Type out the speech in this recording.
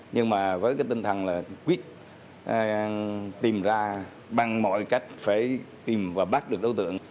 nhưng mà với cái tinh thần là quyết tìm ra bằng mọi cách phải tìm và bắt được đối tượng